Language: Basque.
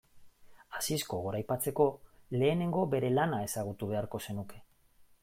Asisko goraipatzeko lehenengo bere lana ezagutu beharko zenuke.